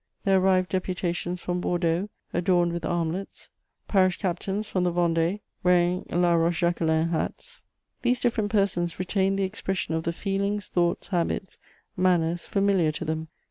There arrived deputations from Bordeaux, adorned with armlets; parish captains from the Vendée, wearing La Rochejacquelein hats. These different persons retained the expression of the feelings, thoughts, habits, manners familiar to them.